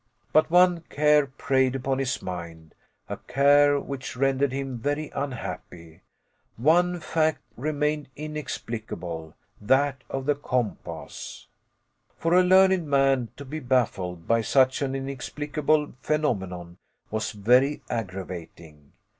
But one care preyed upon his mind, a care which rendered him very unhappy. One fact remained inexplicable that of the compass. For a learned man to be baffled by such an inexplicable phenomenon was very aggravating.